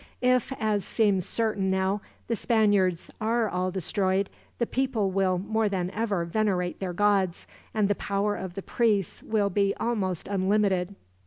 If, as seems certain now, the Spaniards are all destroyed, the people will more than ever venerate their gods, and the power of the priests will be almost unlimited.